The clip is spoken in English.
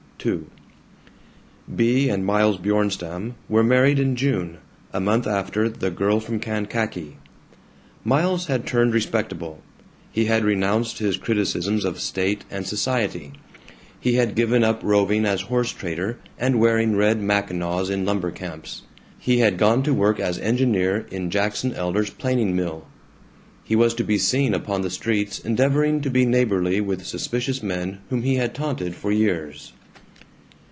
II Bea and Miles Bjornstam were married in June, a month after "The Girl from Kankakee." Miles had turned respectable. He had renounced his criticisms of state and society; he had given up roving as horse trader, and wearing red mackinaws in lumber camps; he had gone to work as engineer in Jackson Elder's planing mill; he was to be seen upon the streets endeavoring to be neighborly with suspicious men whom he had taunted for years.